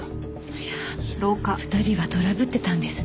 いやあ２人はトラブってたんですね。